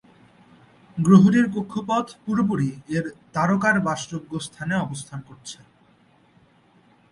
গ্রহটির কক্ষপথ পুরোপুরি এর তারকার বাসযোগ্য স্থানে অবস্থান করছে।